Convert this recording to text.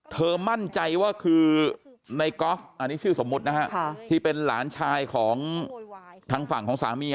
มั่นใจว่าคือในกอล์ฟอันนี้ชื่อสมมุตินะฮะที่เป็นหลานชายของทางฝั่งของสามี